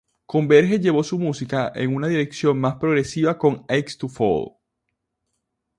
Converge llevó su música en una dirección más progresiva con "Axe to Fall".